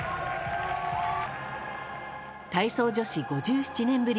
体操女子５７年ぶり